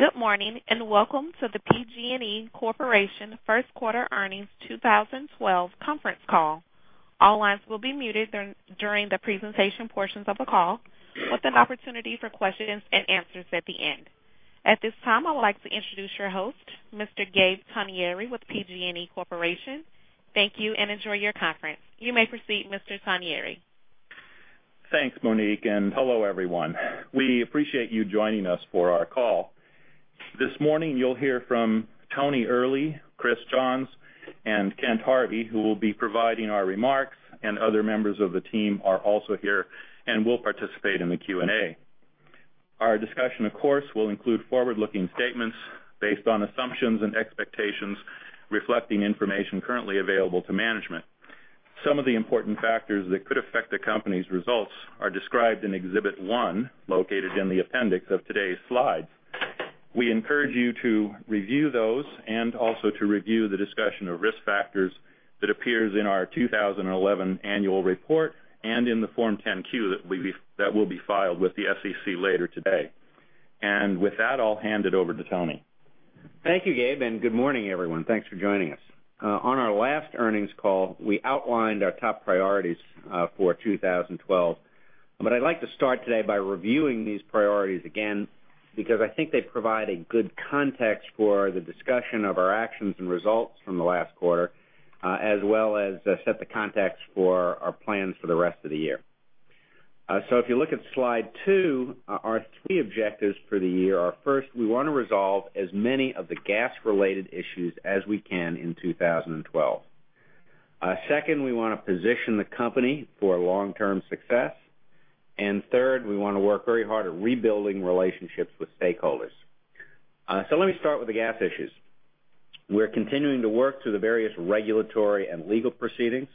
Good morning, welcome to the PG&E Corporation first quarter earnings 2012 conference call. All lines will be muted during the presentation portions of the call, with an opportunity for questions and answers at the end. At this time, I would like to introduce your host, Mr. Gabriel Togneri with PG&E Corporation. Thank you, enjoy your conference. You may proceed, Mr. Togneri. Thanks, Monique, hello, everyone. We appreciate you joining us for our call. This morning, you'll hear from Anthony Earley, Christopher Johns, and Kent Harvey, who will be providing our remarks, and other members of the team are also here and will participate in the Q&A. Our discussion, of course, will include forward-looking statements based on assumptions and expectations reflecting information currently available to management. Some of the important factors that could affect the company's results are described in Exhibit 1, located in the appendix of today's slides. We encourage you to review those and also to review the discussion of risk factors that appears in our 2011 annual report and in the Form 10-Q that will be filed with the SEC later today. With that, I'll hand it over to Tony. Thank you, Gabe, good morning, everyone. Thanks for joining us. On our last earnings call, we outlined our top priorities for 2012. I'd like to start today by reviewing these priorities again, because I think they provide a good context for the discussion of our actions and results from the last quarter, as well as set the context for our plans for the rest of the year. If you look at Slide two, our three objectives for the year are, first, we want to resolve as many of the gas-related issues as we can in 2012. Second, we want to position the company for long-term success. Third, we want to work very hard at rebuilding relationships with stakeholders. Let me start with the gas issues. We're continuing to work through the various regulatory and legal proceedings.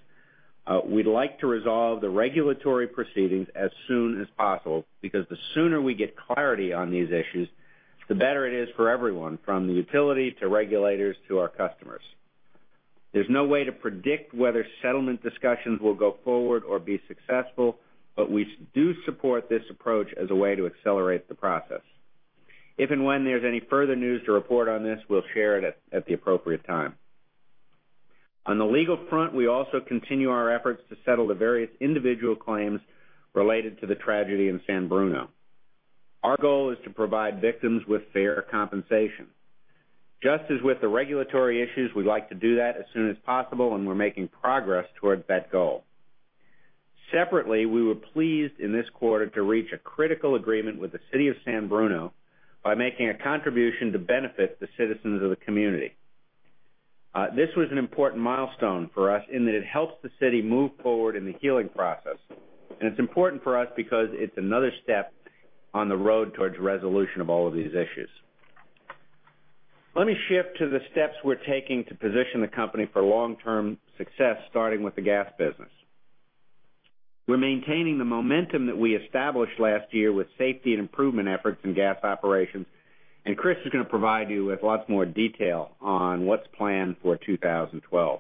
We'd like to resolve the regulatory proceedings as soon as possible, because the sooner we get clarity on these issues, the better it is for everyone, from the utility to regulators to our customers. There's no way to predict whether settlement discussions will go forward or be successful, but we do support this approach as a way to accelerate the process. If and when there's any further news to report on this, we'll share it at the appropriate time. On the legal front, we also continue our efforts to settle the various individual claims related to the tragedy in San Bruno. Our goal is to provide victims with fair compensation. Just as with the regulatory issues, we'd like to do that as soon as possible, and we're making progress toward that goal. Separately, we were pleased in this quarter to reach a critical agreement with the City of San Bruno by making a contribution to benefit the citizens of the community. This was an important milestone for us in that it helps the city move forward in the healing process. It's important for us because it's another step on the road towards resolution of all of these issues. Let me shift to the steps we're taking to position the company for long-term success, starting with the gas business. We're maintaining the momentum that we established last year with safety and improvement efforts in gas operations. Chris is going to provide you with lots more detail on what's planned for 2012.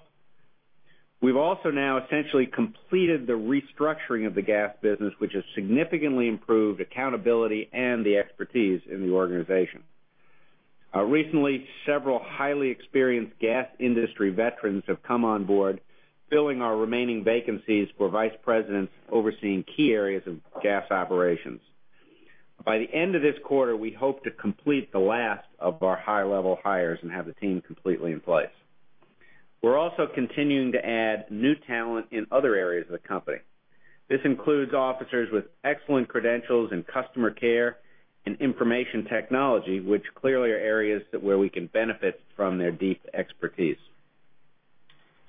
We've also now essentially completed the restructuring of the gas business, which has significantly improved accountability and the expertise in the organization. Recently, several highly experienced gas industry veterans have come on board, filling our remaining vacancies for vice presidents overseeing key areas of gas operations. By the end of this quarter, we hope to complete the last of our high-level hires and have the team completely in place. We're also continuing to add new talent in other areas of the company. This includes officers with excellent credentials in customer care and information technology, which clearly are areas where we can benefit from their deep expertise.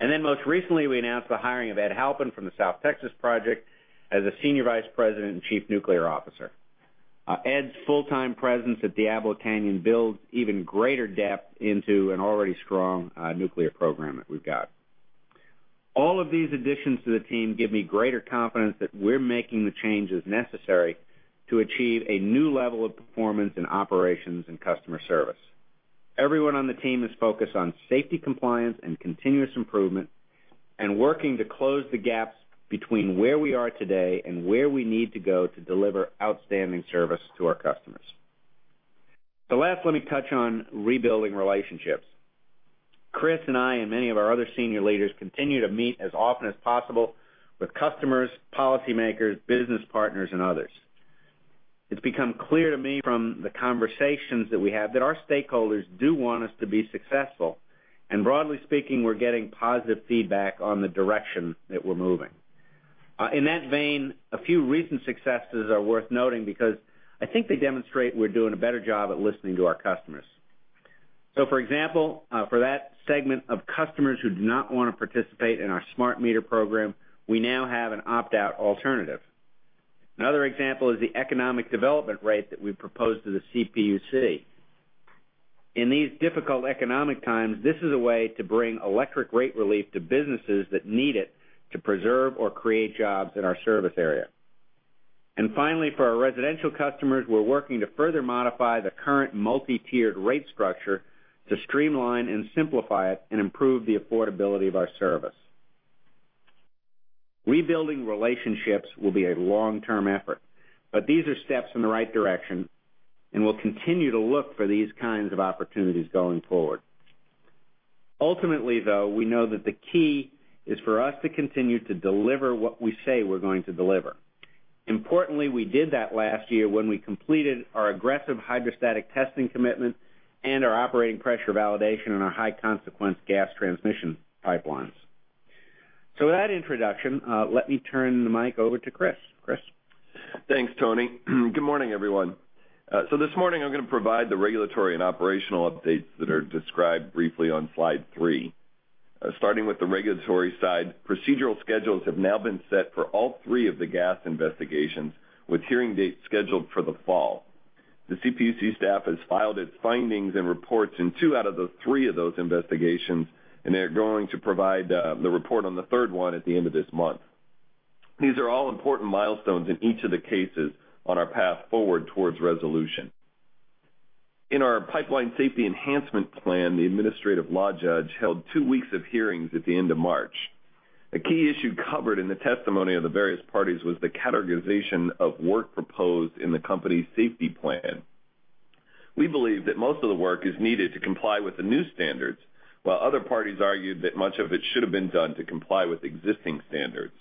Most recently, we announced the hiring of Ed Halpin from the South Texas Project as a senior vice president and chief nuclear officer. Ed's full-time presence at Diablo Canyon builds even greater depth into an already strong nuclear program that we've got. All of these additions to the team give me greater confidence that we're making the changes necessary to achieve a new level of performance in operations and customer service. Everyone on the team is focused on safety compliance and continuous improvement and working to close the gaps between where we are today and where we need to go to deliver outstanding service to our customers. Last, let me touch on rebuilding relationships. Chris and I and many of our other senior leaders continue to meet as often as possible with customers, policymakers, business partners, and others. It's become clear to me from the conversations that we have that our stakeholders do want us to be successful. Broadly speaking, we're getting positive feedback on the direction that we're moving. In that vein, a few recent successes are worth noting because I think they demonstrate we're doing a better job at listening to our customers. For example, for that segment of customers who do not want to participate in our smart meter program, we now have an opt-out alternative. Another example is the Economic Development Rate that we proposed to the CPUC. In these difficult economic times, this is a way to bring electric rate relief to businesses that need it to preserve or create jobs in our service area. Finally, for our residential customers, we're working to further modify the current multi-tiered rate structure to streamline and simplify it and improve the affordability of our service. Rebuilding relationships will be a long-term effort, but these are steps in the right direction. We'll continue to look for these kinds of opportunities going forward. Ultimately, though, we know that the key is for us to continue to deliver what we say we're going to deliver. Importantly, we did that last year when we completed our aggressive hydrostatic testing commitment and our operating pressure validation on our high-consequence gas transmission pipelines. With that introduction, let me turn the mic over to Chris. Chris? Thanks, Tony. Good morning, everyone. This morning I'm going to provide the regulatory and operational updates that are described briefly on slide three. Starting with the regulatory side, procedural schedules have now been set for all three of the gas investigations, with hearing dates scheduled for the fall. The CPUC staff has filed its findings and reports in two out of the three of those investigations, and they're going to provide the report on the third one at the end of this month. These are all important milestones in each of the cases on our path forward towards resolution. In our Pipeline Safety Enhancement Plan, the administrative law judge held two weeks of hearings at the end of March. A key issue covered in the testimony of the various parties was the categorization of work proposed in the company's safety plan. We believe that most of the work is needed to comply with the new standards, while other parties argued that much of it should have been done to comply with existing standards.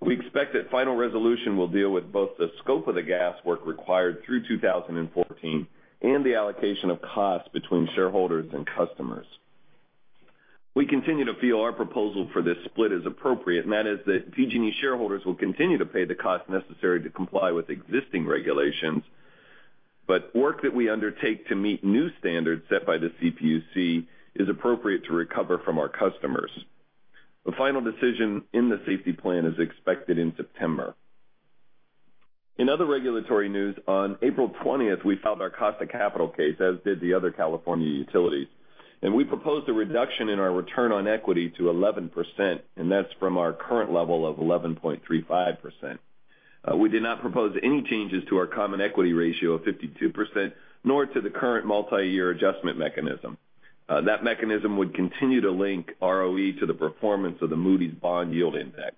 We expect that final resolution will deal with both the scope of the gas work required through 2014 and the allocation of costs between shareholders and customers. We continue to feel our proposal for this split is appropriate, and that is that PG&E shareholders will continue to pay the cost necessary to comply with existing regulations, but work that we undertake to meet new standards set by the CPUC is appropriate to recover from our customers. The final decision in the safety plan is expected in September. In other regulatory news, on April 20th, we filed our cost of capital case, as did the other California utilities, and we proposed a reduction in our return on equity to 11%, and that's from our current level of 11.35%. We did not propose any changes to our common equity ratio of 52%, nor to the current multi-year adjustment mechanism. That mechanism would continue to link ROE to the performance of the Moody's Bond Yield index.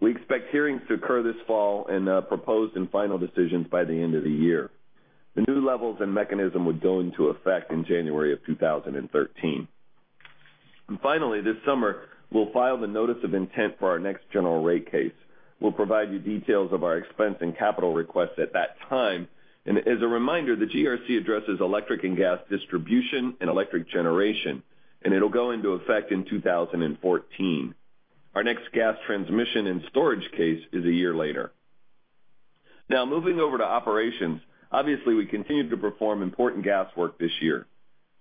We expect hearings to occur this fall and proposed and final decisions by the end of the year. The new levels and mechanism would go into effect in January of 2013. Finally, this summer, we'll file the notice of intent for our next general rate case. We'll provide you details of our expense and capital request at that time. As a reminder, the GRC addresses electric and gas distribution and electric generation, and it'll go into effect in 2014. Our next gas transmission and storage case is a year later. Moving over to operations. Obviously, we continued to perform important gas work this year.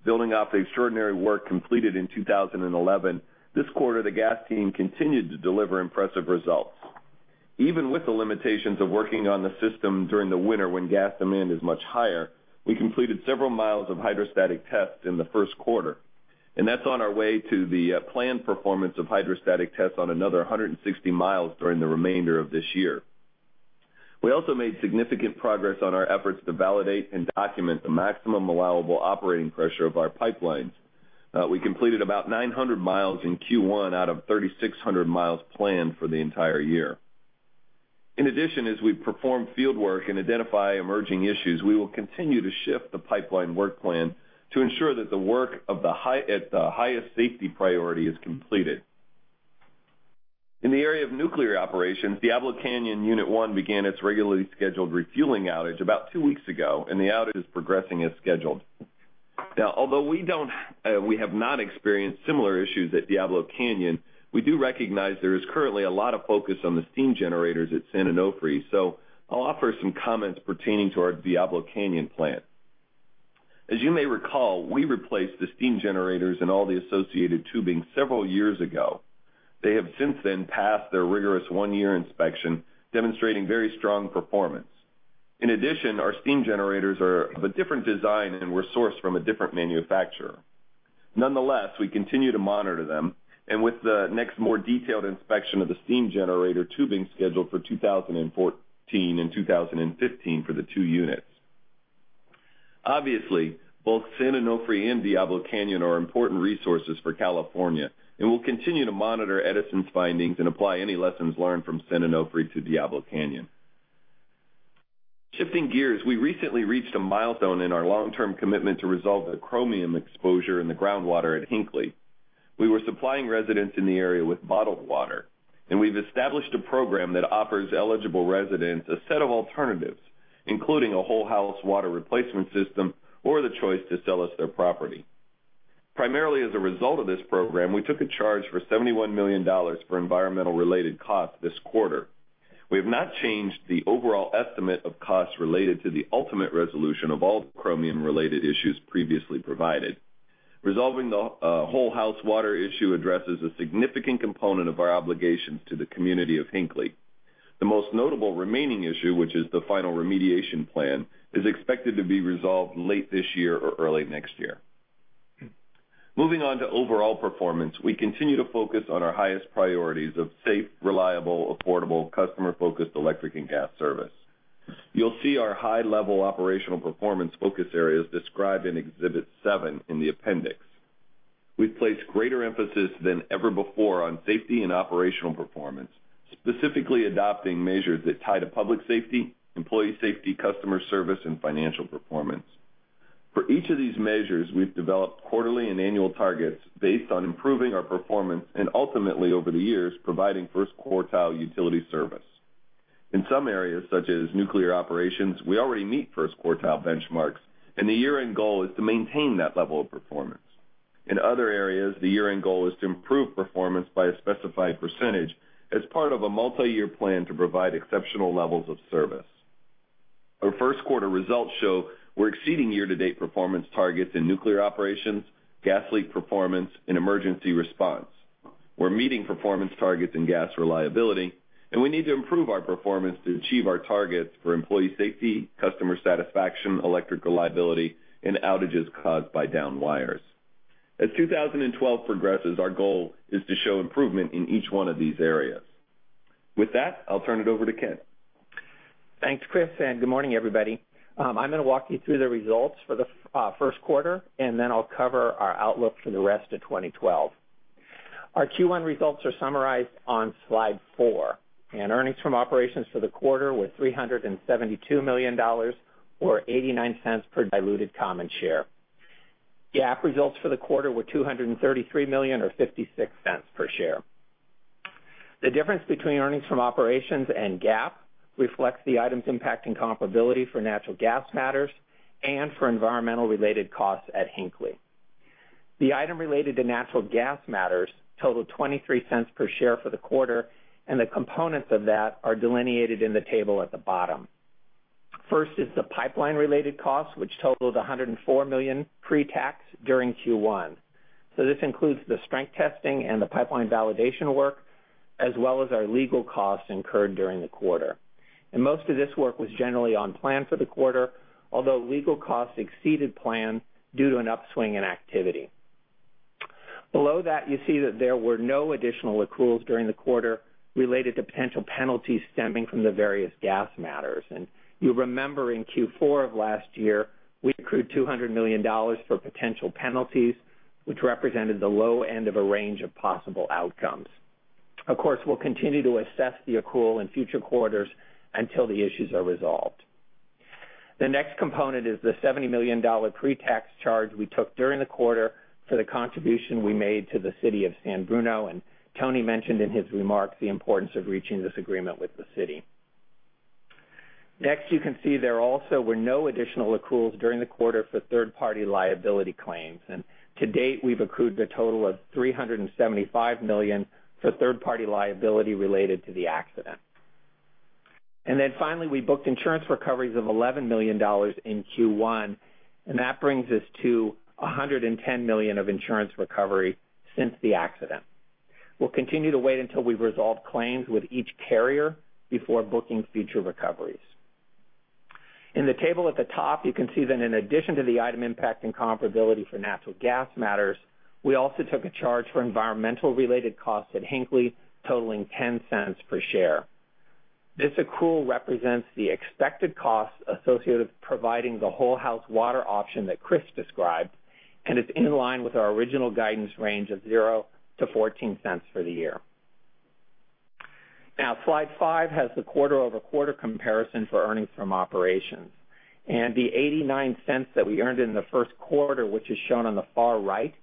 Building off the extraordinary work completed in 2011, this quarter, the gas team continued to deliver impressive results. Even with the limitations of working on the system during the winter when gas demand is much higher, we completed several miles of hydrostatic tests in the first quarter, and that's on our way to the planned performance of hydrostatic tests on another 160 miles during the remainder of this year. We also made significant progress on our efforts to validate and document the maximum allowable operating pressure of our pipelines. We completed about 900 miles in Q1 out of 3,600 miles planned for the entire year. In addition, as we perform fieldwork and identify emerging issues, we will continue to shift the pipeline work plan to ensure that the work at the highest safety priority is completed. In the area of nuclear operations, Diablo Canyon Unit 1 began its regularly scheduled refueling outage about two weeks ago, and the outage is progressing as scheduled. Although we have not experienced similar issues at Diablo Canyon, we do recognize there is currently a lot of focus on the steam generators at San Onofre, so I'll offer some comments pertaining to our Diablo Canyon plant. As you may recall, we replaced the steam generators and all the associated tubing several years ago. They have since then passed their rigorous one-year inspection, demonstrating very strong performance. In addition, our steam generators are of a different design and were sourced from a different manufacturer. Nonetheless, we continue to monitor them, and with the next more detailed inspection of the steam generator tubing scheduled for 2014 and 2015 for the two units. Both San Onofre and Diablo Canyon are important resources for California, and we'll continue to monitor Edison's findings and apply any lessons learned from San Onofre to Diablo Canyon. Shifting gears, we recently reached a milestone in our long-term commitment to resolve the chromium exposure in the groundwater at Hinkley. We were supplying residents in the area with bottled water, and we've established a program that offers eligible residents a set of alternatives, including a whole-house water replacement system or the choice to sell us their property. Primarily as a result of this program, we took a charge for $71 million for environmental-related costs this quarter. We have not changed the overall estimate of costs related to the ultimate resolution of all the chromium-related issues previously provided. Resolving the whole house water issue addresses a significant component of our obligations to the community of Hinkley. The most notable remaining issue, which is the final remediation plan, is expected to be resolved late this year or early next year. Moving on to overall performance. We continue to focus on our highest priorities of safe, reliable, affordable, customer-focused electric and gas service. You'll see our high-level operational performance focus areas described in exhibit seven in the appendix. We've placed greater emphasis than ever before on safety and operational performance, specifically adopting measures that tie to public safety, employee safety, customer service, and financial performance. For each of these measures, we've developed quarterly and annual targets based on improving our performance and ultimately, over the years, providing first quartile utility service. In some areas, such as nuclear operations, we already meet first quartile benchmarks, and the year-end goal is to maintain that level of performance. In other areas, the year-end goal is to improve performance by a specified percentage as part of a multi-year plan to provide exceptional levels of service. Our first quarter results show we're exceeding year-to-date performance targets in nuclear operations, gas leak performance, and emergency response. We're meeting performance targets in gas reliability, and we need to improve our performance to achieve our targets for employee safety, customer satisfaction, electric reliability, and outages caused by downed wires. As 2012 progresses, our goal is to show improvement in each one of these areas. With that, I'll turn it over to Kent. Thanks, Chris, good morning, everybody. I'm going to walk you through the results for the first quarter, then I'll cover our outlook for the rest of 2012. Our Q1 results are summarized on slide four. Earnings from operations for the quarter were $372 million, or $0.89 per diluted common share. GAAP results for the quarter were $233 million or $0.56 per share. The difference between earnings from operations and GAAP reflects the items impacting comparability for natural gas matters and for environmental-related costs at Hinkley. The item related to natural gas matters totaled $0.23 per share for the quarter. The components of that are delineated in the table at the bottom. First is the pipeline-related cost, which totaled $104 million pre-tax during Q1. This includes the strength testing and the pipeline validation work, as well as our legal costs incurred during the quarter. Most of this work was generally on plan for the quarter, although legal costs exceeded plan due to an upswing in activity. Below that, you see that there were no additional accruals during the quarter related to potential penalties stemming from the various gas matters. You'll remember in Q4 of last year, we accrued $200 million for potential penalties, which represented the low end of a range of possible outcomes. Of course, we'll continue to assess the accrual in future quarters until the issues are resolved. The next component is the $70 million pre-tax charge we took during the quarter for the contribution we made to the City of San Bruno. Tony mentioned in his remarks the importance of reaching this agreement with the city. Next, you can see there also were no additional accruals during the quarter for third-party liability claims. To date, we've accrued a total of $375 million for third-party liability related to the accident. Then finally, we booked insurance recoveries of $11 million in Q1, that brings us to $110 million of insurance recovery since the accident. We'll continue to wait until we've resolved claims with each carrier before booking future recoveries. In the table at the top, you can see that in addition to the item impact and comparability for natural gas matters, we also took a charge for environmental-related costs at Hinkley totaling $0.10 per share. This accrual represents the expected costs associated with providing the whole-house water option that Chris described, it's in line with our original guidance range of $0.00-$0.14 for the year. Slide five has the quarter-over-quarter comparison for earnings from operations. The $0.89 that we earned in the first quarter, which is shown on the far right,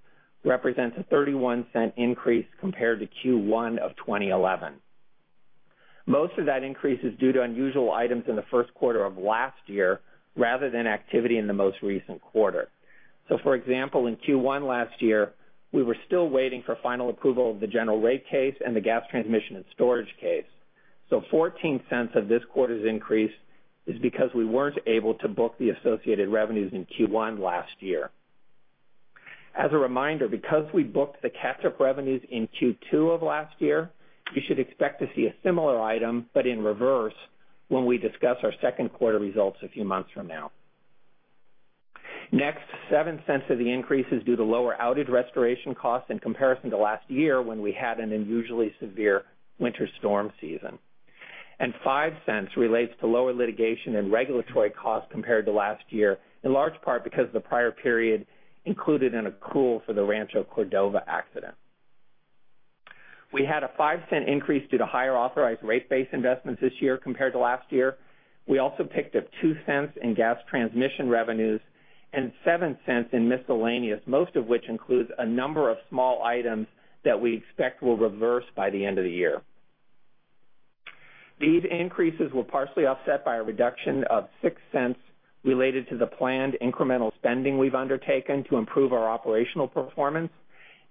represents a $0.31 increase compared to Q1 of 2011. Most of that increase is due to unusual items in the first quarter of last year rather than activity in the most recent quarter. For example, in Q1 last year, we were still waiting for final approval of the general rate case and the gas transmission and storage case. $0.14 of this quarter's increase is because we weren't able to book the associated revenues in Q1 last year. As a reminder, because we booked the catch-up revenues in Q2 of last year, you should expect to see a similar item, but in reverse, when we discuss our second quarter results a few months from now. Next, $0.07 of the increase is due to lower outage restoration costs in comparison to last year when we had an unusually severe winter storm season. $0.05 relates to lower litigation and regulatory costs compared to last year, in large part because the prior period included an accrual for the Rancho Cordova accident. We had a $0.05 increase due to higher authorized rate base investments this year compared to last year. We also picked up $0.02 in gas transmission revenues and $0.07 in miscellaneous, most of which includes a number of small items that we expect will reverse by the end of the year. These increases were partially offset by a reduction of $0.06 related to the planned incremental spending we've undertaken to improve our operational performance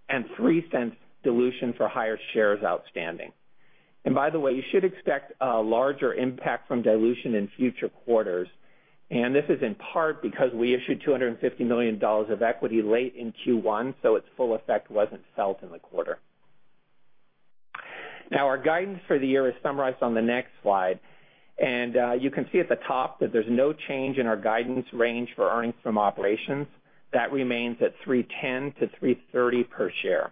and $0.03 dilution for higher shares outstanding. By the way, you should expect a larger impact from dilution in future quarters. This is in part because we issued $250 million of equity late in Q1, so its full effect wasn't felt in the quarter. Our guidance for the year is summarized on the next slide, you can see at the top that there's no change in our guidance range for earnings from operations. That remains at $3.10 to $3.30 per share.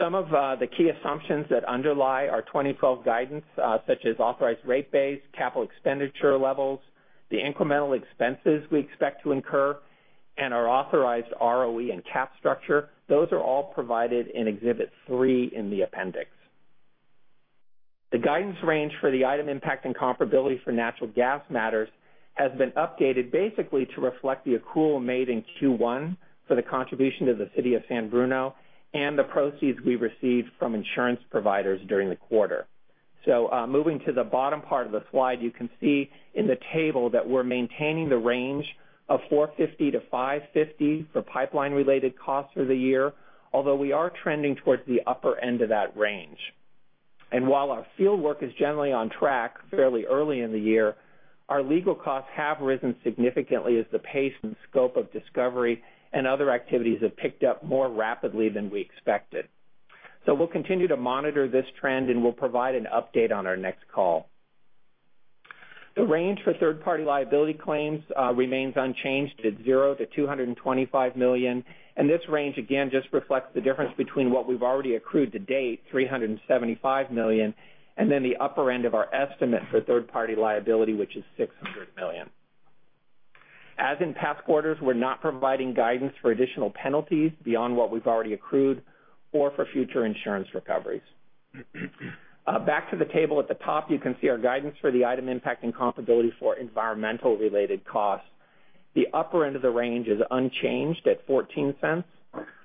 Some of the key assumptions that underlie our 2012 guidance, such as authorized rate base, capital expenditure levels, the incremental expenses we expect to incur, and our authorized ROE and cap structure, those are all provided in exhibit three in the appendix. The guidance range for the item impacting comparability for natural gas matters has been updated basically to reflect the accrual made in Q1 for the contribution to the City of San Bruno and the proceeds we received from insurance providers during the quarter. Moving to the bottom part of the slide, you can see in the table that we're maintaining the range of $450 million to $550 million for pipeline-related costs for the year. Although we are trending towards the upper end of that range. While our fieldwork is generally on track fairly early in the year, our legal costs have risen significantly as the pace and scope of discovery and other activities have picked up more rapidly than we expected. We'll continue to monitor this trend, and we'll provide an update on our next call. The range for third-party liability claims remains unchanged at $0 to $225 million. This range, again, just reflects the difference between what we've already accrued to date, $375 million, and then the upper end of our estimate for third-party liability, which is $600 million. As in past quarters, we are not providing guidance for additional penalties beyond what we've already accrued or for future insurance recoveries. Back to the table at the top, you can see our guidance for the item impacting comparability for environmental-related costs. The upper end of the range is unchanged at $0.14.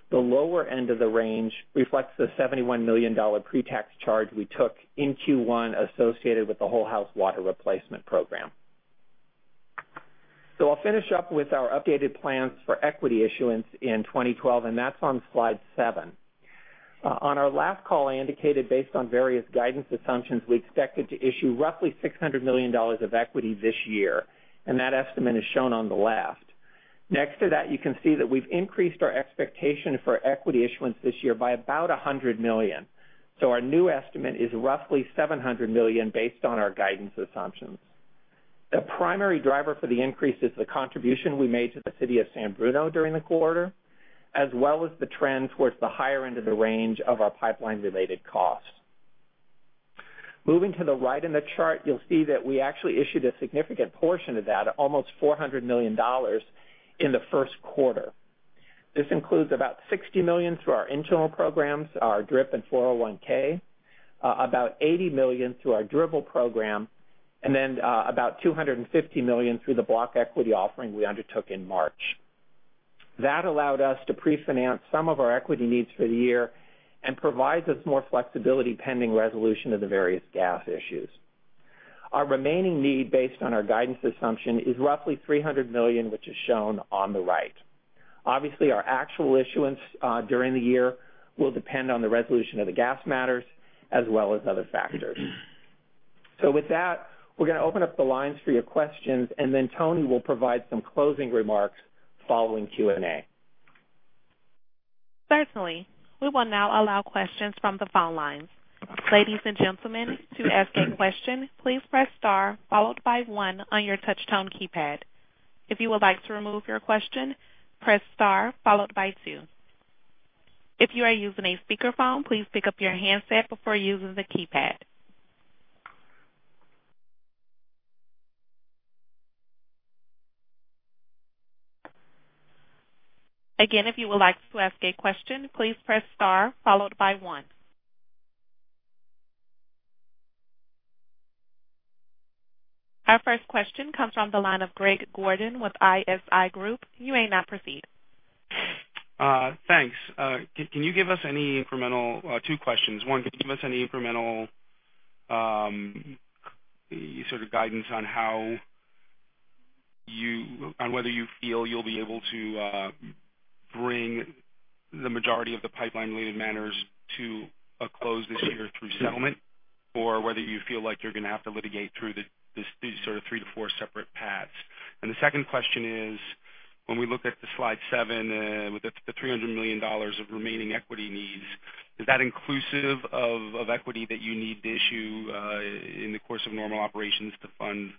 The lower end of the range reflects the $71 million pre-tax charge we took in Q1 associated with the whole house water replacement program. I'll finish up with our updated plans for equity issuance in 2012, and that's on slide seven. On our last call, I indicated, based on various guidance assumptions, we expected to issue roughly $600 million of equity this year, and that estimate is shown on the left. Next to that, you can see that we've increased our expectation for equity issuance this year by about $100 million. Our new estimate is roughly $700 million based on our guidance assumptions. The primary driver for the increase is the contribution we made to the City of San Bruno during the quarter, as well as the trend towards the higher end of the range of our pipeline-related costs. Moving to the right in the chart, you'll see that we actually issued a significant portion of that, almost $400 million, in the first quarter. This includes about $60 million through our internal programs, our DRIP and 401K, about $80 million through our DRIP program, and then about $250 million through the block equity offering we undertook in March. That allowed us to pre-finance some of our equity needs for the year and provides us more flexibility pending resolution of the various gas issues. Our remaining need based on our guidance assumption is roughly $300 million, which is shown on the right. Obviously, our actual issuance during the year will depend on the resolution of the gas matters as well as other factors. With that, we're going to open up the lines for your questions, and then Tony will provide some closing remarks following Q&A. Certainly. We will now allow questions from the phone lines. Ladies and gentlemen, to ask a question, please press star followed by one on your touchtone keypad. If you would like to remove your question, press star followed by two. If you are using a speakerphone, please pick up your handset before using the keypad. Again, if you would like to ask a question, please press star followed by one. Our first question comes from the line of Greg Gordon with ISI Group. You may now proceed. Thanks. Two questions. One, can you give us any incremental sort of guidance on whether you feel you'll be able to bring the majority of the pipeline-related matters to a close this year through settlement? Whether you feel like you're going to have to litigate through these sort of three to four separate paths? The second question is, when we look at the slide seven with the $300 million of remaining equity needs, is that inclusive of equity that you need to issue in the course of normal operations to fund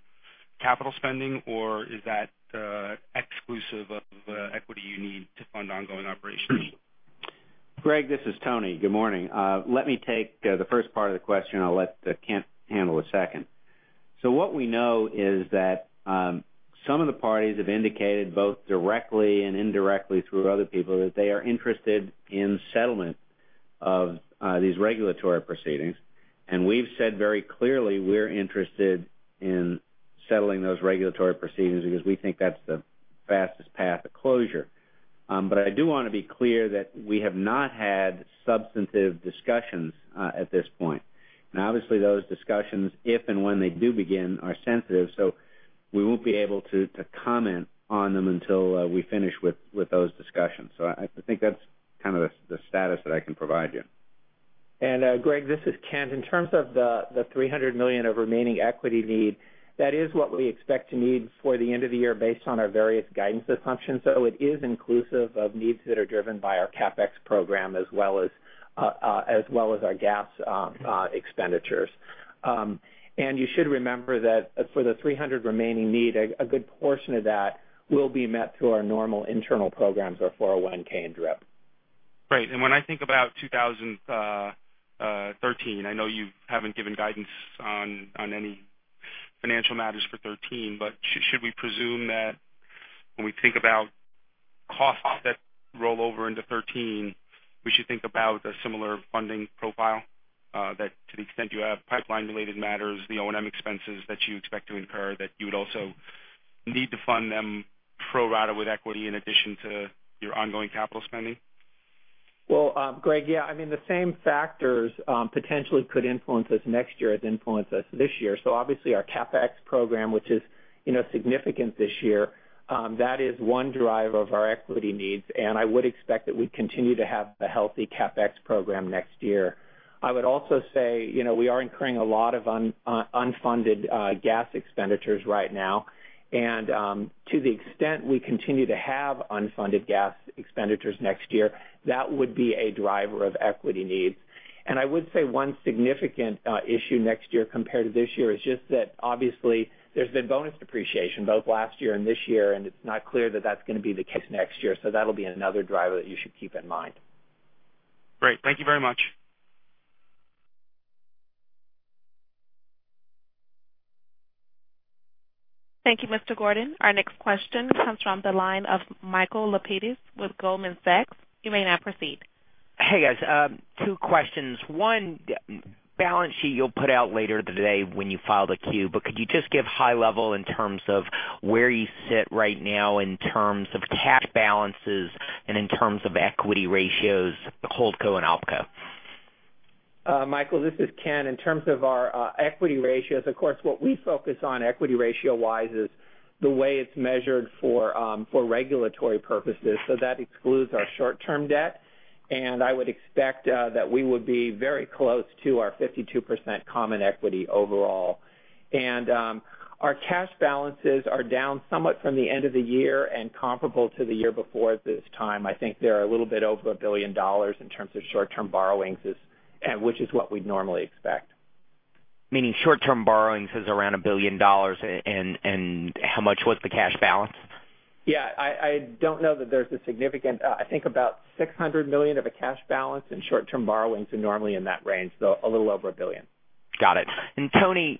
CapEx? Is that exclusive of equity you need to fund ongoing operations? Greg, this is Tony. Good morning. Let me take the first part of the question. I'll let Kent handle the second. What we know is that some of the parties have indicated, both directly and indirectly through other people, that they are interested in settlement of these regulatory proceedings. We've said very clearly we're interested in settling those regulatory proceedings because we think that's the fastest path to closure. I do want to be clear that we have not had substantive discussions at this point. Obviously those discussions, if and when they do begin, are sensitive, so we won't be able to comment on them until we finish with those discussions. I think that's kind of the status that I can provide you. Greg, this is Kent. In terms of the $300 million of remaining equity need, that is what we expect to need before the end of the year based on our various guidance assumptions. It is inclusive of needs that are driven by our CapEx program as well as our gas expenditures. You should remember that for the $300 remaining need, a good portion of that will be met through our normal internal programs, our 401K and DRIP. Great. When I think about 2013, I know you haven't given guidance on any financial matters for 2013, should we presume that when we think about costs that roll over into 2013, we should think about a similar funding profile? That to the extent you have pipeline-related matters, the O&M expenses that you expect to incur, that you would also need to fund them pro rata with equity in addition to your ongoing capital spending? Well, Greg, yeah. The same factors potentially could influence us next year as influence us this year. Obviously our CapEx program, which is significant this year, that is one driver of our equity needs, and I would expect that we continue to have a healthy CapEx program next year. I would also say, we are incurring a lot of unfunded gas expenditures right now. To the extent we continue to have unfunded gas expenditures next year, that would be a driver of equity needs. I would say one significant issue next year compared to this year is just that obviously there's been bonus depreciation both last year and this year, and it's not clear that that's going to be the case next year. That'll be another driver that you should keep in mind. Great. Thank you very much. Thank you, Mr. Gordon. Our next question comes from the line of Michael Lapides with Goldman Sachs. You may now proceed. Hey, guys. Two questions. One, balance sheet you'll put out later today when you file the Q, but could you just give high level in terms of where you sit right now in terms of cash balances and in terms of equity ratios, the hold co and op co? Michael, this is Kent. In terms of our equity ratios, of course, what we focus on equity ratio wise is the way it's measured for regulatory purposes. That excludes our short-term debt, and I would expect that we would be very close to our 52% common equity overall. Our cash balances are down somewhat from the end of the year and comparable to the year before at this time. I think they're a little bit over $1 billion in terms of short-term borrowings, which is what we'd normally expect. Meaning short-term borrowings is around $1 billion, how much was the cash balance? Yeah. I don't know that there's a significant. I think about $600 million of a cash balance and short-term borrowings are normally in that range, so a little over $1 billion. Got it. Tony,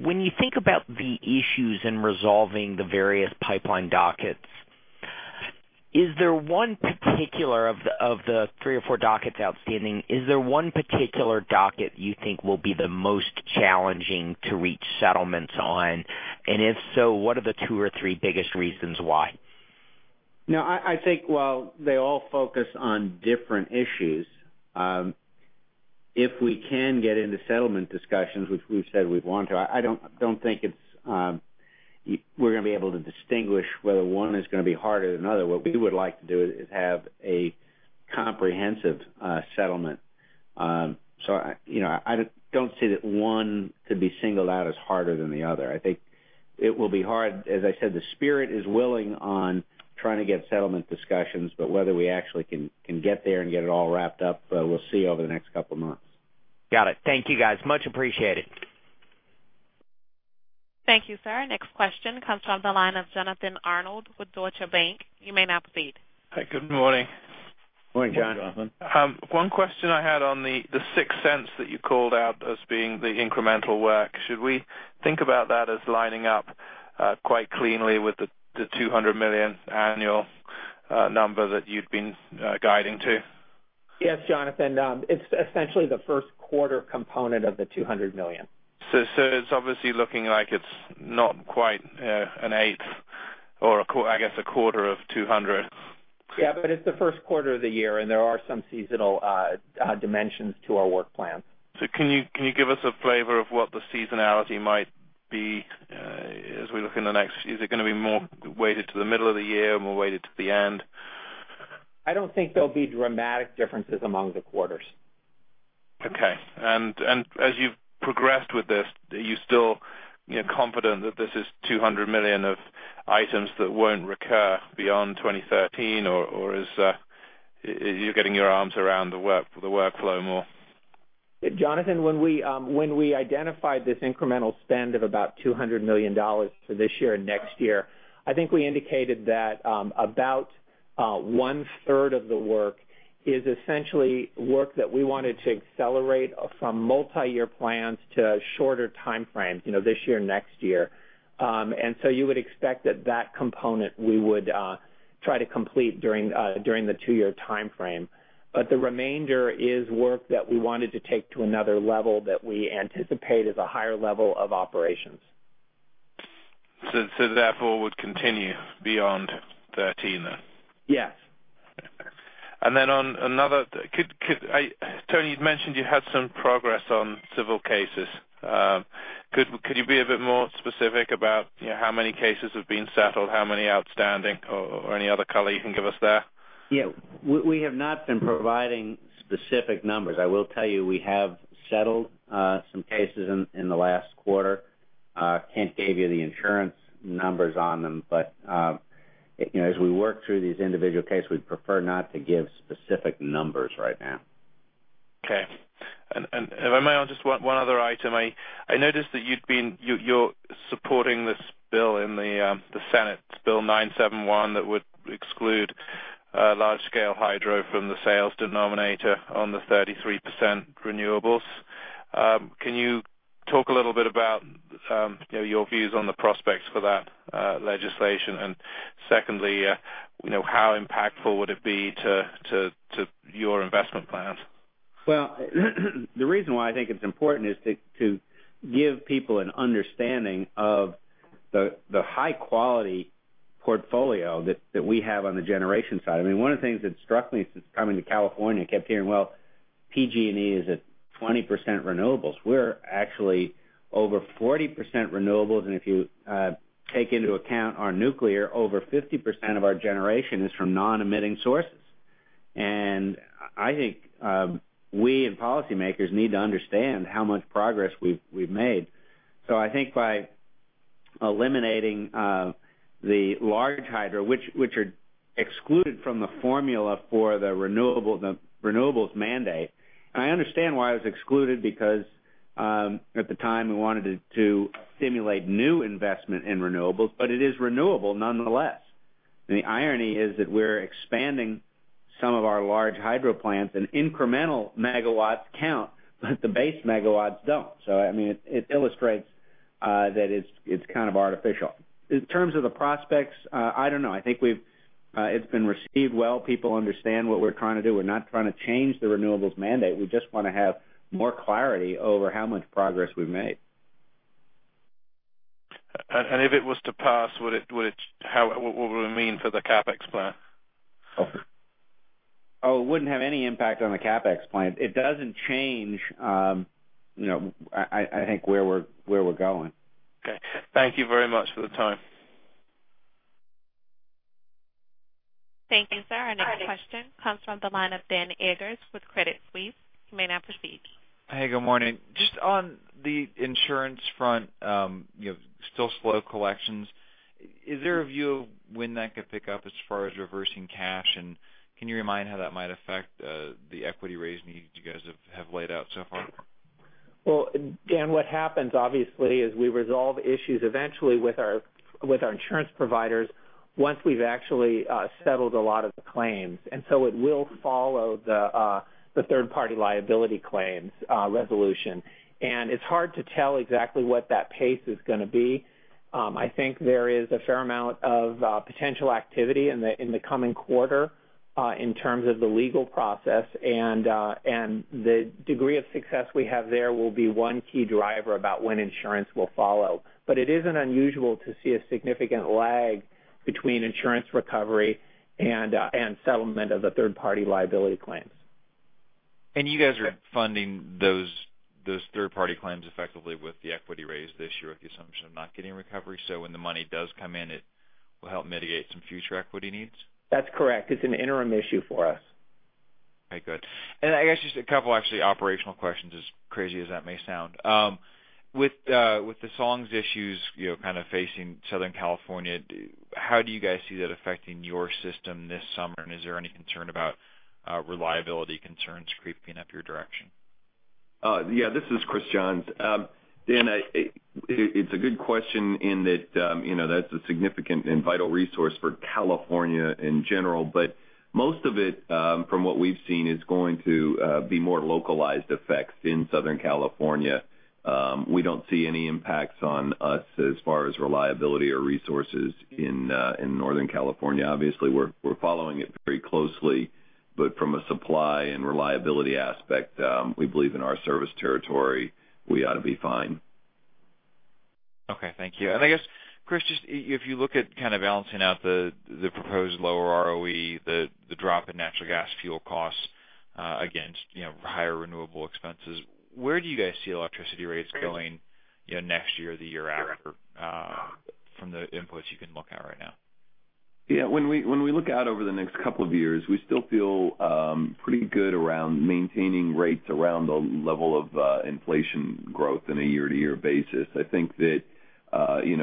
when you think about the issues in resolving the various pipeline dockets, of the three or four dockets outstanding, is there one particular docket you think will be the most challenging to reach settlements on? If so, what are the two or three biggest reasons why? I think while they all focus on different issues, if we can get into settlement discussions, which we've said we want to, I don't think we're going to be able to distinguish whether one is going to be harder than another. What we would like to do is have a comprehensive settlement. I don't see that one could be singled out as harder than the other. I think it will be hard. As I said, the spirit is willing on trying to get settlement discussions, whether we actually can get there and get it all wrapped up, we'll see over the next couple of months. Got it. Thank you guys. Much appreciated. Thank you, sir. Next question comes from the line of Jonathan Arnold with Deutsche Bank. You may now proceed. Hi, good morning. Morning, Jonathan. One question I had on the $0.06 that you called out as being the incremental work. Should we think about that as lining up quite cleanly with the $200 million annual number that you've been guiding to? Yes, Jonathan. It's essentially the first quarter component of the $200 million. It's obviously looking like it's not quite an eighth or I guess a quarter of two hundred. Yeah. It's the first quarter of the year, and there are some seasonal dimensions to our work plan. Can you give us a flavor of what the seasonality might be as we look? Is it going to be more weighted to the middle of the year, more weighted to the end? I don't think there'll be dramatic differences among the quarters. Okay. As you've progressed with this, are you still confident that this is $200 million of items that won't recur beyond 2013? Or you're getting your arms around the workflow more? Jonathan, when we identified this incremental spend of about $200 million for this year and next year, I think we indicated that about one-third of the work is essentially work that we wanted to accelerate from multi-year plans to shorter time frames, this year, next year. You would expect that component we would try to complete during the two-year timeframe. The remainder is work that we wanted to take to another level that we anticipate is a higher level of operations. Therefore would continue beyond 2013 then? Yes. Tony, you'd mentioned you had some progress on civil cases. Could you be a bit more specific about how many cases have been settled, how many outstanding or any other color you can give us there? We have not been providing specific numbers. I will tell you we have settled some cases in the last quarter. Kent gave you the insurance numbers on them. As we work through these individual cases, we'd prefer not to give specific numbers right now. Okay. If I may, just one other item. I noticed that you're supporting this bill in the Senate, SB 971, that would exclude large-scale hydro from the sales denominator on the 33% renewables. Can you talk a little bit about your views on the prospects for that legislation? Secondly, how impactful would it be to your investment plans? Well, the reason why I think it's important is to give people an understanding of the high-quality portfolio that we have on the generation side. One of the things that struck me since coming to California, I kept hearing, well, PG&E is at 20% renewables. We're actually over 40% renewables, and if you take into account our nuclear, over 50% of our generation is from non-emitting sources. I think we and policymakers need to understand how much progress we've made. I think by eliminating the large hydro, which are excluded from the formula for the renewables mandate. I understand why it was excluded, because at the time we wanted to stimulate new investment in renewables, but it is renewable nonetheless. The irony is that we're expanding some of our large hydro plants, and incremental megawatts count, but the base megawatts don't. It illustrates that it's kind of artificial. In terms of the prospects, I don't know. I think it's been received well. People understand what we're trying to do. We're not trying to change the renewables mandate. We just want to have more clarity over how much progress we've made. If it was to pass, what would it mean for the CapEx plan? Oh, it wouldn't have any impact on the CapEx plan. It doesn't change I think where we're going. Okay. Thank you very much for the time. Thank you, sir. Our next question comes from the line of Dan Eggers with Credit Suisse. You may now proceed. Hey, good morning. Just on the insurance front, still slow collections. Is there a view of when that could pick up as far as reversing cash? Can you remind how that might affect the equity raise needs you guys have laid out so far? Well, Dan, what happens, obviously, is we resolve issues eventually with our insurance providers once we've actually settled a lot of the claims. It will follow the third-party liability claims resolution. It's hard to tell exactly what that pace is going to be. I think there is a fair amount of potential activity in the coming quarter in terms of the legal process. The degree of success we have there will be one key driver about when insurance will follow. It isn't unusual to see a significant lag between insurance recovery and settlement of the third-party liability claims. You guys are funding those third-party claims effectively with the equity raise this year with the assumption of not getting recovery. When the money does come in, it will help mitigate some future equity needs? That's correct. It's an interim issue for us. Okay, good. I guess just a couple actually operational questions, as crazy as that may sound. With the SONGS issues kind of facing Southern California, how do you guys see that affecting your system this summer? Is there any concern about reliability concerns creeping up your direction? Yeah, this is Christopher Johns. Dan, it's a good question in that that's a significant and vital resource for California in general. Most of it, from what we've seen, is going to be more localized effects in Southern California. We don't see any impacts on us as far as reliability or resources in Northern California. Obviously, we're following it very closely. From a supply and reliability aspect, we believe in our service territory, we ought to be fine. Okay, thank you. I guess, Chris, just if you look at kind of balancing out the proposed lower ROE, the drop in natural gas fuel costs against higher renewable expenses, where do you guys see electricity rates going next year or the year after from the inputs you can look at right now? Yeah. When we look out over the next couple of years, we still feel pretty good around maintaining rates around the level of inflation growth on a year-to-year basis. I think that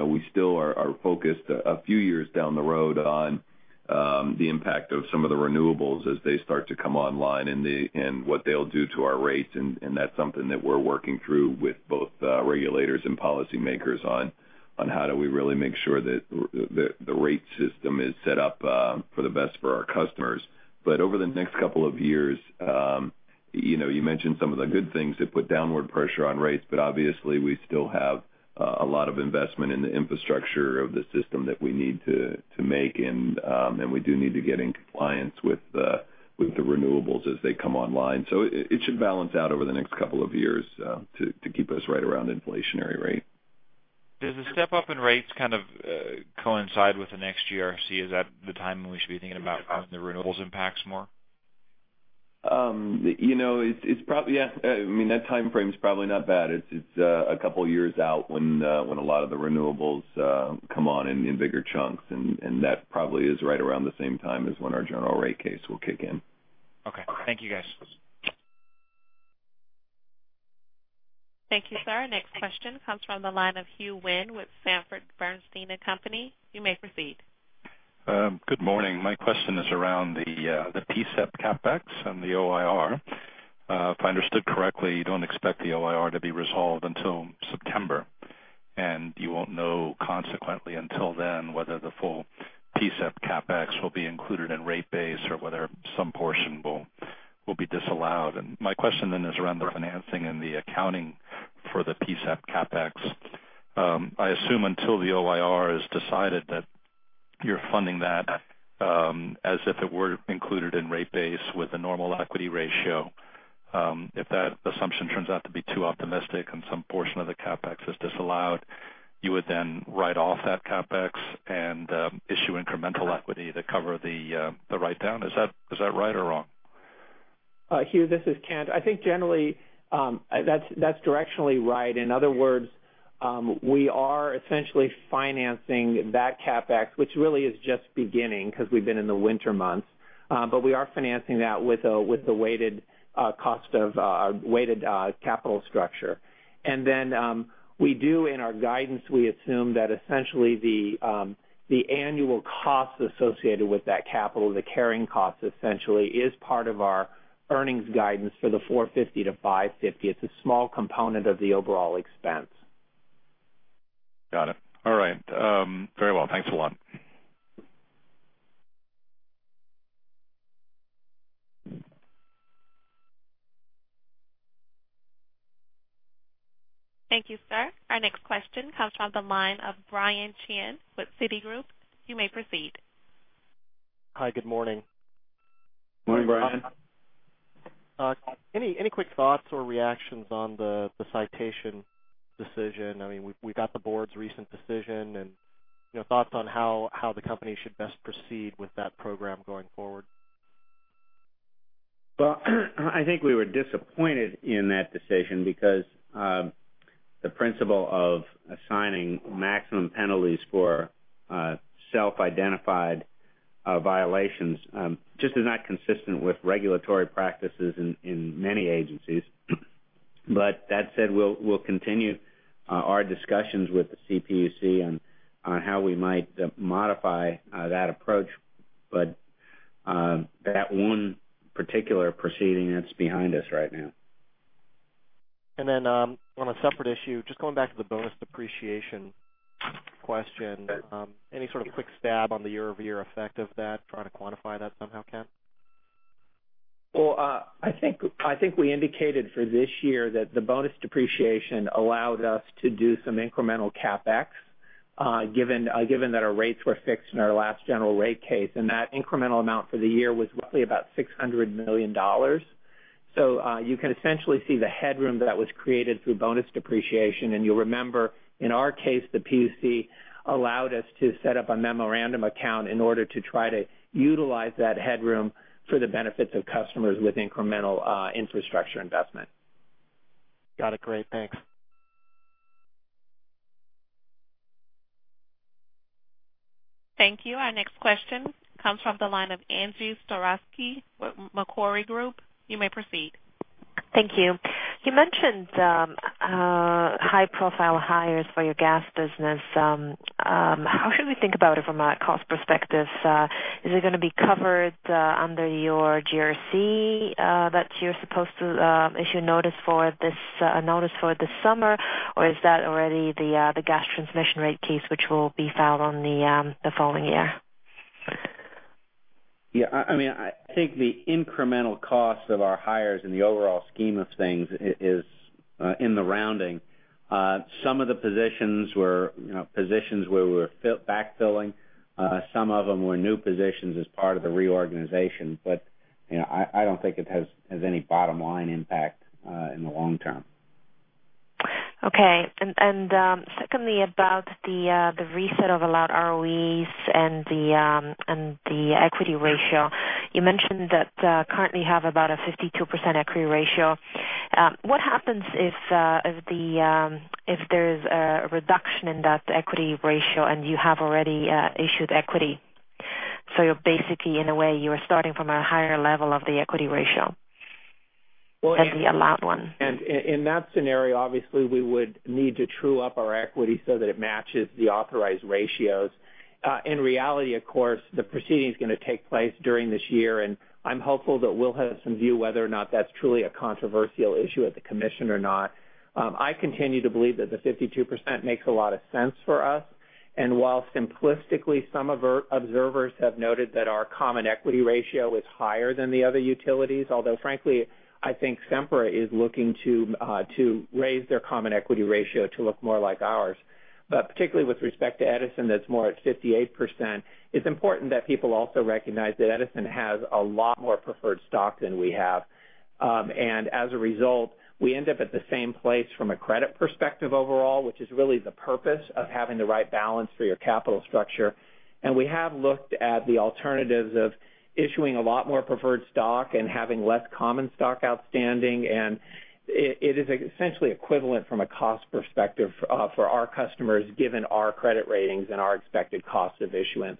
we still are focused a few years down the road on the impact of some of the renewables as they start to come online and what they'll do to our rates. That's something that we're working through with both regulators and policymakers on how do we really make sure that the rate system is set up for the best for our customers. Over the next couple of years, you mentioned some of the good things that put downward pressure on rates, obviously, we still have a lot of investment in the infrastructure of the system that we need to make, and we do need to get in compliance with the renewables as they come online. It should balance out over the next couple of years to keep us right around inflationary rate. Does the step-up in rates kind of coincide with the next GRC? Is that the time when we should be thinking about the renewables impacts more? Yeah. That timeframe is probably not bad. It's a couple of years out when a lot of the renewables come on in bigger chunks. That probably is right around the same time as when our general rate case will kick in. Okay. Thank you, guys. Thank you, sir. Next question comes from the line of Hugh Wynne with Sanford Bernstein & Company. You may proceed. Good morning. My question is around the PSEP CapEx and the OIR. If I understood correctly, you don't expect the OIR to be resolved until September, and you won't know consequently until then whether the full PSEP CapEx will be included in rate base or whether some portion will be disallowed. My question then is around the financing and the accounting for the PSEP CapEx. I assume until the OIR is decided that you're funding that as if it were included in rate base with a normal equity ratio. If that assumption turns out to be too optimistic and some portion of the CapEx is disallowed, you would then write off that CapEx and issue incremental equity to cover the write-down. Is that right or wrong? Hugh, this is Kent. I think generally, that's directionally right. In other words, we are essentially financing that CapEx, which really is just beginning because we've been in the winter months. We are financing that with the weighted capital structure. Then, we do in our guidance, we assume that essentially the annual cost associated with that capital, the carrying cost essentially, is part of our earnings guidance for the $450-$550. It's a small component of the overall expense. Got it. All right. Very well. Thanks a lot. Thank you, sir. Our next question comes from the line of Brian Chin with Citigroup. You may proceed. Hi, good morning. Morning, Brian. Any quick thoughts or reactions on the citation decision? We got the board's recent decision. Thoughts on how the company should best proceed with that program going forward? Well, I think we were disappointed in that decision because the principle of assigning maximum penalties for self-identified violations just is not consistent with regulatory practices in many agencies. That said, we'll continue our discussions with the CPUC on how we might modify that approach. That one particular proceeding, that's behind us right now. On a separate issue, just going back to the bonus depreciation question. Sure. Any sort of quick stab on the year-over-year effect of that? Trying to quantify that somehow, Kent? Well, I think we indicated for this year that the bonus depreciation allowed us to do some incremental CapEx given that our rates were fixed in our last general rate case, and that incremental amount for the year was roughly about $600 million. You can essentially see the headroom that was created through bonus depreciation, and you'll remember, in our case, the PUC allowed us to set up a memorandum account in order to try to utilize that headroom for the benefits of customers with incremental infrastructure investment. Got it. Great. Thanks. Thank you. Our next question comes from the line of Angie Storozynski with Macquarie Group. You may proceed. Thank you. You mentioned high-profile hires for your gas business. How should we think about it from a cost perspective? Is it going to be covered under your GRC that you're supposed to issue a notice for this summer, or is that already the gas transmission rate case which will be filed on the following year? Yeah. I think the incremental cost of our hires in the overall scheme of things is in the rounding. Some of the positions were positions where we're backfilling. Some of them were new positions as part of the reorganization. I don't think it has any bottom-line impact in the long term. Okay. Secondly, about the reset of allowed ROEs and the equity ratio. You mentioned that currently you have about a 52% equity ratio. What happens if there is a reduction in that equity ratio and you have already issued equity? You're basically, in a way, you are starting from a higher level of the equity ratio than the allowed one. In that scenario, obviously, we would need to true up our equity so that it matches the authorized ratios. In reality, of course, the proceeding's going to take place during this year, I'm hopeful that we'll have some view whether or not that's truly a controversial issue at the commission or not. I continue to believe that the 52% makes a lot of sense for us. While simplistically, some observers have noted that our common equity ratio is higher than the other utilities, although frankly, I think Sempra is looking to raise their common equity ratio to look more like ours. Particularly with respect to Edison, that's more at 58%, it's important that people also recognize that Edison has a lot more preferred stock than we have. As a result, we end up at the same place from a credit perspective overall, which is really the purpose of having the right balance for your capital structure. We have looked at the alternatives of issuing a lot more preferred stock and having less common stock outstanding, it is essentially equivalent from a cost perspective for our customers given our credit ratings and our expected cost of issuance.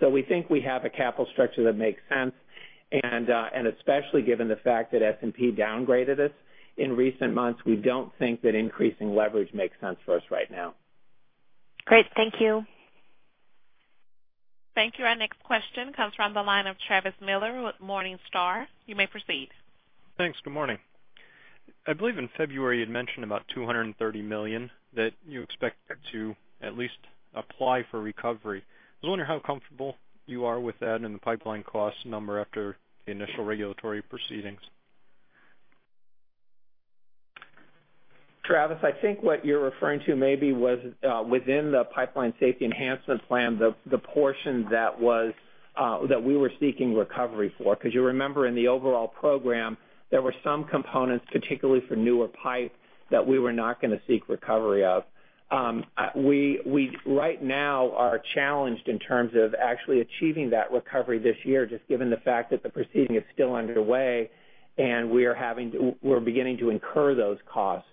We think we have a capital structure that makes sense, especially given the fact that S&P downgraded us in recent months, we don't think that increasing leverage makes sense for us right now. Great. Thank you. Thank you. Our next question comes from the line of Travis Miller with Morningstar. You may proceed. Thanks. Good morning. I believe in February you had mentioned about $230 million that you expected to at least apply for recovery. I was wondering how comfortable you are with that and the pipeline cost number after the initial regulatory proceedings. Travis, I think what you're referring to maybe was within the Pipeline Safety Enhancement Plan, the portion that we were seeking recovery for. You remember in the overall program, there were some components, particularly for newer pipe, that we were not going to seek recovery of. We right now are challenged in terms of actually achieving that recovery this year, just given the fact that the proceeding is still underway and we're beginning to incur those costs.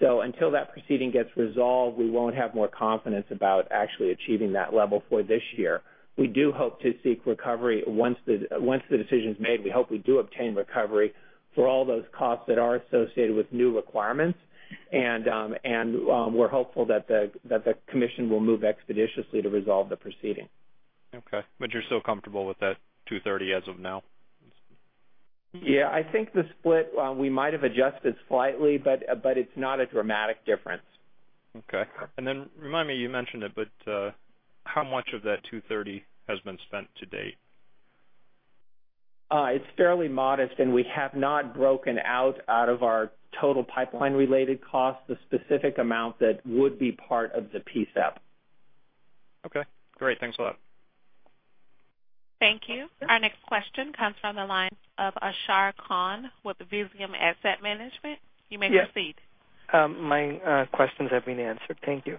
Until that proceeding gets resolved, we won't have more confidence about actually achieving that level for this year. We do hope to seek recovery once the decision's made. We hope we do obtain recovery for all those costs that are associated with new requirements, and we're hopeful that the commission will move expeditiously to resolve the proceeding. Okay, you're still comfortable with that $230 as of now? Yeah, I think the split, we might have adjusted slightly, it's not a dramatic difference. Okay. Remind me, you mentioned it, how much of that $230 has been spent to date? It's fairly modest, we have not broken out of our total pipeline-related costs, the specific amount that would be part of the PSEP. Okay, great. Thanks a lot. Thank you. Our next question comes from the line of Ashar Khan with Visium Asset Management. You may proceed. My questions have been answered. Thank you.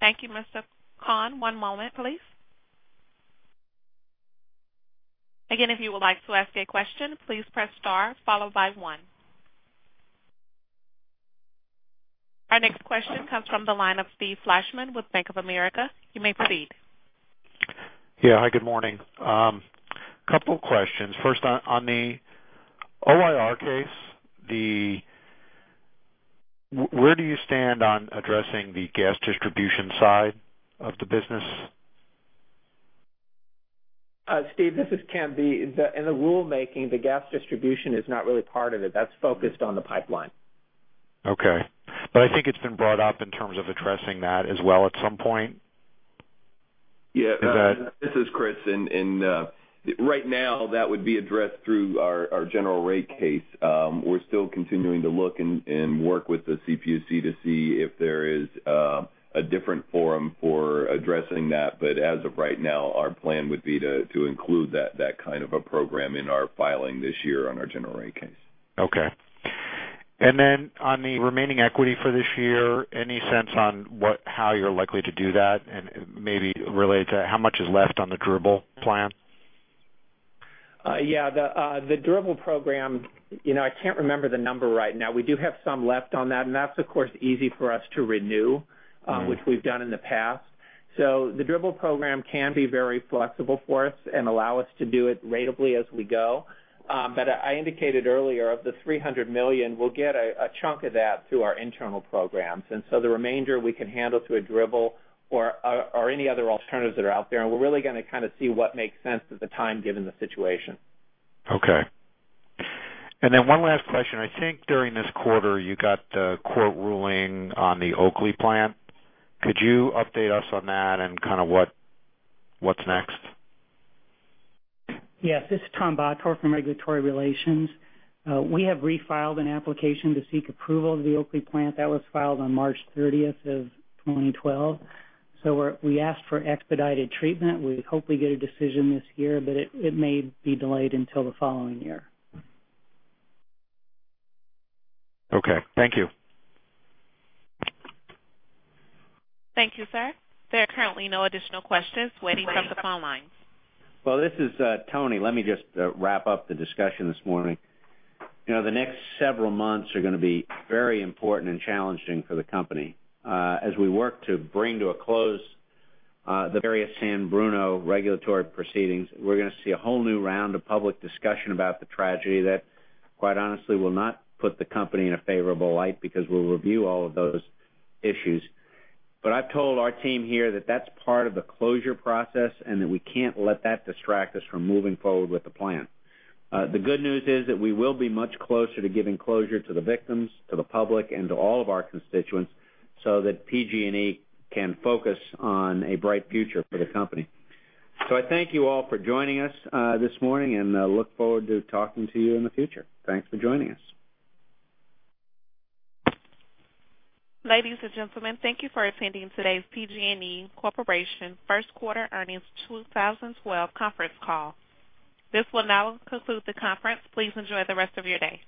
Thank you, Mr. Khan. One moment, please. Again, if you would like to ask a question, please press star followed by one. Our next question comes from the line of Steve Fleishman with Bank of America. You may proceed. Yeah. Hi, good morning. A couple of questions. First, on the OIR case, where do you stand on addressing the gas distribution side of the business? Steve, this is Ken B. In the rulemaking, the gas distribution is not really part of it. That's focused on the pipeline. Okay. I think it's been brought up in terms of addressing that as well at some point. Yeah. Is that? This is Chris, right now that would be addressed through our general rate case. We're still continuing to look and work with the CPUC to see if there is a different forum for addressing that. As of right now, our plan would be to include that kind of a program in our filing this year on our general rate case. Okay. On the remaining equity for this year, any sense on how you're likely to do that? Maybe related to that, how much is left on the DRIP plan? The DRBL program, I can't remember the number right now. We do have some left on that's of course, easy for us to renew- which we've done in the past. The DRBL program can be very flexible for us and allow us to do it ratably as we go. I indicated earlier, of the $300 million, we'll get a chunk of that through our internal programs. The remainder we can handle through a DRBL or any other alternatives that are out there, we're really going to kind of see what makes sense at the time given the situation. One last question. I think during this quarter you got the court ruling on the Oakley plant. Could you update us on that and kind of what's next? This is Tom Bottorff from Regulatory Relations. We have refiled an application to seek approval of the Oakley plant that was filed on March 30th of 2012. We asked for expedited treatment. We hope we get a decision this year, but it may be delayed until the following year. Okay. Thank you. Thank you, sir. There are currently no additional questions waiting on the phone lines. Well, this is Tony. Let me just wrap up the discussion this morning. The next several months are going to be very important and challenging for the company. As we work to bring to a close the various San Bruno regulatory proceedings, we're going to see a whole new round of public discussion about the tragedy that, quite honestly, will not put the company in a favorable light because we'll review all of those issues. I've told our team here that that's part of the closure process and that we can't let that distract us from moving forward with the plan. The good news is that we will be much closer to giving closure to the victims, to the public, and to all of our constituents so that PG&E can focus on a bright future for the company. I thank you all for joining us this morning and look forward to talking to you in the future. Thanks for joining us. Ladies and gentlemen, thank you for attending today's PG&E Corporation First Quarter Earnings 2012 conference call. This will now conclude the conference. Please enjoy the rest of your day.